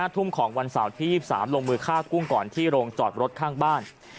ทุ่มของวันเสาร์ที่๒๓ลงมือฆ่ากุ้งก่อนที่โรงจอดรถข้างบ้าน